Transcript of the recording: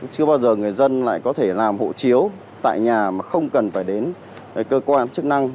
chưa bao giờ người dân lại có thể làm hộ chiếu tại nhà mà không cần phải đến cơ quan chức năng